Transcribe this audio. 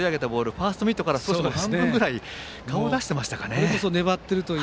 ファーストミットから半分ぐらい顔を出していましたね。